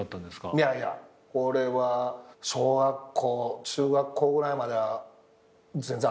いやいや俺は小学校中学校ぐらいまでは全然あかんかったかな。